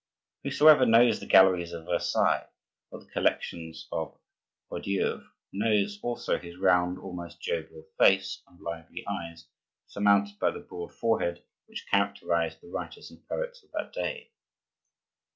Whosoever knows the galleries of Versailles or the collections of Odieuvre, knows also his round, almost jovial face and lively eyes, surmounted by the broad forehead which characterized the writers and poets of that day.